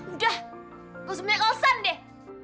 udah gak usah punya kawasan deh